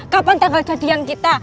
kapan tanggal jadian kita